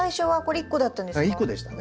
１個でしたね。